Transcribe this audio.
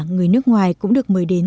người nước ngoài cũng được mời đến